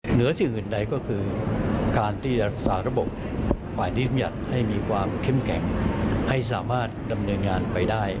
เหนือสิ่งอื่นใดก็คือการที่จะรักษาระบบฝ่ายนิติบัญญัติให้มีความเข้มแข็งให้สามารถดำเนินงานไปได้